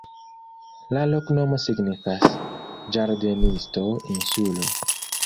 La loknomo signifas: ĝardenisto-insulo.